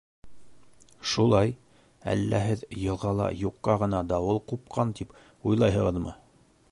— Шулай, әллә һеҙ йылғала юҡҡа ғына дауыл ҡупҡан тип уйлайһығыҙмы?